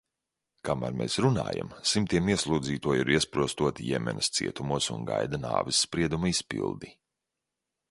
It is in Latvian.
Kamēr mēs runājam, simtiem ieslodzīto ir iesprostoti Jemenas cietumos un gaida nāves sprieduma izpildi.